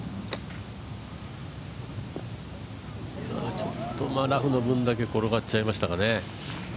ちょっとラフの分だけ転がっちゃいましたかね。